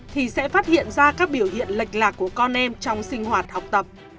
thì sẽ phát hiện ra các biểu hiện lệch lạc của con em trong sinh hoạt học tập